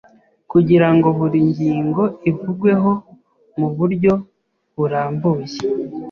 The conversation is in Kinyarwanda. Kugira ngo buri ngingo ivugweho mu buryo burambuye